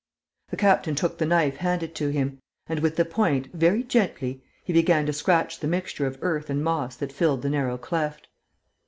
The captain took the knife handed to him. And with the point, very gently, he began to scratch the mixture of earth and moss that filled the narrow cleft.